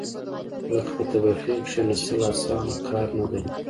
لکه په تبخي کېناستل، اسانه کار نه دی.